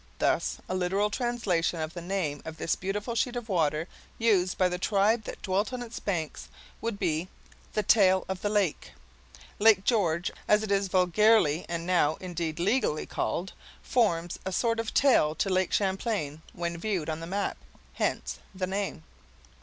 Thus a literal translation of the name of this beautiful sheet of water, used by the tribe that dwelt on its banks, would be "The Tail of the Lake." Lake George, as it is vulgarly, and now, indeed, legally, called, forms a sort of tail to Lake Champlain, when viewed on the map. Hence, the name.